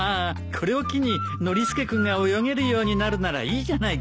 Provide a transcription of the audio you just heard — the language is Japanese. これを機にノリスケ君が泳げるようになるならいいじゃないか。